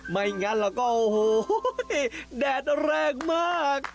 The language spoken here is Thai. ไม่งั้นแล้วก็โอ้โหแดดแรงมาก